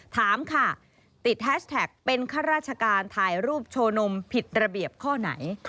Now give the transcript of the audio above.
ถามค่ะติดแฮชแท็กเป็นข้าราชการถ่ายรูปโชว์นมผิดระเบียบข้อไหน